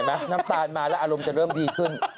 น้ำตาลมาแล้วอารมณ์จะเริ่มดีขึ้น